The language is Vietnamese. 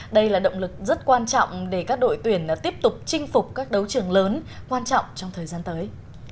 đây là động lực rất quan trọng để các đội tuyển tiếp tục chinh phục các đấu trường lớn quan trọng trong thời gian tới